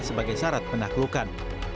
sebagai syarat penaklukan